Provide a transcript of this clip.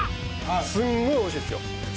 すんごいおいしいっすよ